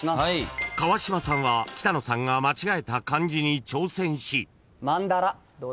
［川島さんは北野さんが間違えた漢字に挑戦し］